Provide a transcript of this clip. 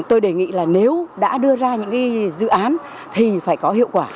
tôi đề nghị là nếu đã đưa ra những dự án thì phải có hiệu quả